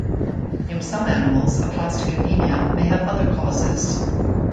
In some animals, aplastic anemia may have other causes.